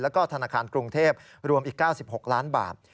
แล้วก็ธนาคารกรุงเทพรวมอีก๙๖ล้านบาท